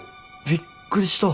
びっくりした。